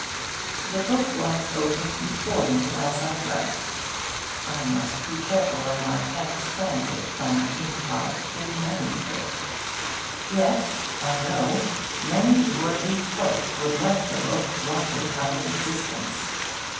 The book lies open before me, as I write. I must be careful of my pen's transit from inkpot to MS. Yet, I know, many worthy folk would like the book blotted out of existence.